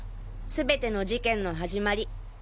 すべての事件の始まり。